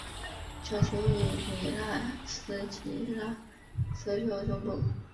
教区位于米纳斯吉拉斯州中部。